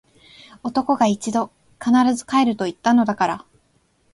男が一度・・・！！！必ず帰ると言ったのだから！！！